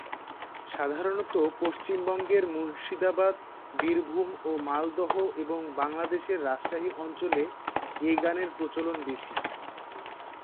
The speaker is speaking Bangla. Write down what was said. সাধারণত পশ্চিমবঙ্গের মুর্শিদাবাদ, বীরভূম ও মালদহ এবং বাংলাদেশের রাজশাহী অঞ্চলে এ গানের প্রচলন বেশি।